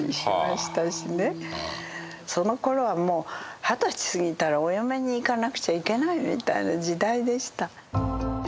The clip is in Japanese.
そのころはもう二十歳過ぎたらお嫁にいかなくちゃいけないみたいな時代でした。